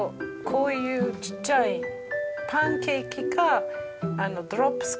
こういうちっちゃいパンケーキかドロップス